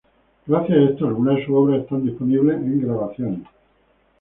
Gracias a esto, algunas de sus obras están disponibles en grabaciones.